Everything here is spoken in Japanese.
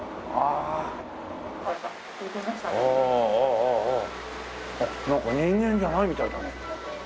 あっなんか人間じゃないみたいだね。